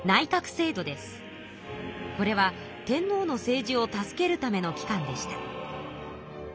これは天皇の政治を助けるための機関でした。